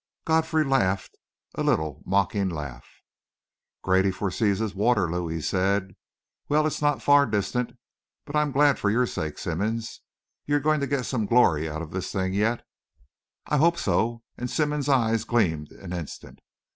Godfrey laughed a little mocking laugh. "Grady foresees his Waterloo!" he said. "Well, it's not far distant. But I'm glad for your sake, Simmonds you're going to get some glory out of this thing, yet!" "I hope so," and Simmonds's eyes gleamed an instant.